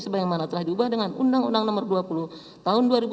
sebagaimana telah diubah dengan urbi no dua puluh tahun dua ribu satu